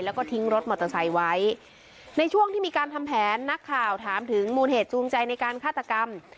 แล้วก็ทิ้งรถมอเตอร์ไซค์ไว้ในช่วงที่มีการทำแผนนักข่าวถามถึงมูลเหตุจูงใจในการฆาตกรรม